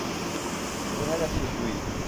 কোথায় যাচ্ছিস তুই?